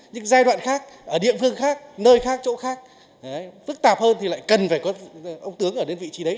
những giai đoạn khác ở địa phương khác nơi khác chỗ khác phức tạp hơn thì lại cần phải có ông tướng ở đến vị trí đấy